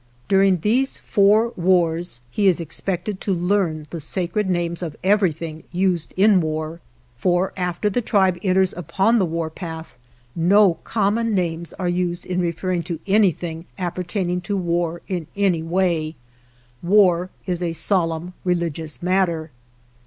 During these four wars he is expected to learn the sacred names of everything used in war, for after the tribe enters upon the warpath no common names are used in re ferring to anything appertaining to war in any way. War is a solemn religious matter.